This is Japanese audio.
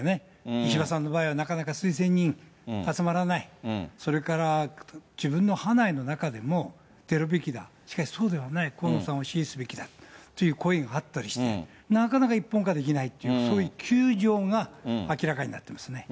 石破さんの場合は、なかなか推薦人集まらない、それから自分の派内の中でも出るべきだ、そうではない、河野さんを支持すべきだという声があったりして、なかなか一本化できない、そういう窮状が明らかになってますね。